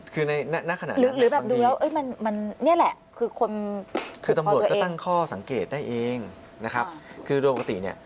คือในนักขนาดนั้นบางทีคือตำรวจก็ตั้งข้อสังเกตได้เองนะครับคือโดยปกติเนี่ย